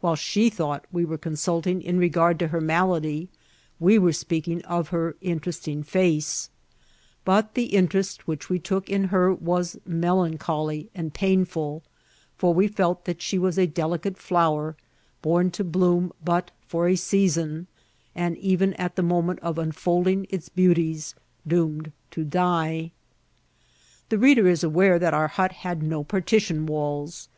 While she thou^^t we were consahing in re gard to her malady, we were qpeaking of her interesting bee ; but the interest which we took in her waa melan chcly and painful, for we felt that die was a delicate flower, bom to bloom but for a season, and, even at the moment of unfolding its beauties, doomed to die. The reader is aware that our hot had no partition walls.